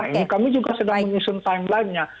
ini kami juga sedang menyusun timeline nya